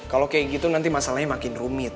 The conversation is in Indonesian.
kalau kayak gitu nanti masalahnya makin rumit